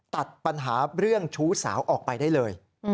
ตัดปัญหาเรื่องชู้สาวออกไปได้เลย